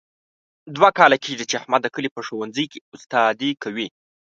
دوه کاله کېږي، چې احمد د کلي په ښوونځۍ کې استادي کوي.